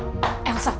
apa perusahaan ini